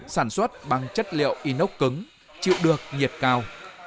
sản xuất bằng chất liệu inox cứng chịu được nhiệt cao